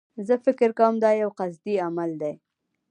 زه فکر کوم دایو قصدي عمل دی.